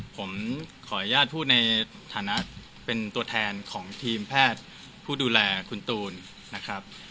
ผมขออนุญาตพูดในฐานะเป็นตัวแทนของทีมแพทย์ผู้ดูแลคุณตูนนะครับ